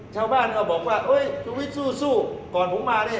ชาวบ้านเราบอกว่า